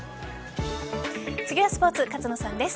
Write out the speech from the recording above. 次はスポーツ、勝野さんです。